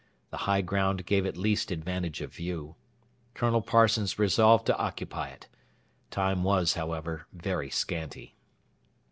The high ground gave at least advantage of view. Colonel Parsons resolved to occupy it. Time was however, very scanty.